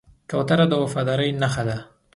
کوتره د وفادارۍ نښه ده.